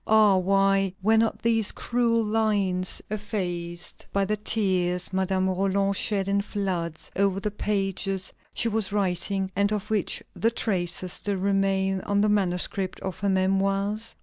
Ah! why were not these cruel lines effaced by the tears Madame Roland shed in floods over the pages she was writing, and of which the traces still remain on the manuscript of her Memoirs?